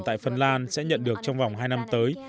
tại phần lan sẽ nhận được trong vòng hai năm tới